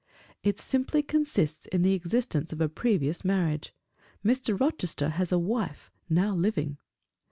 "It simply consists in the existence of a previous marriage. Mr. Rochester has a wife now living."